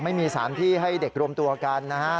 ไม่มีสารที่ให้เด็กรวมตัวกันนะฮะ